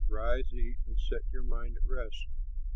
Rise, eat, and set your mind at rest.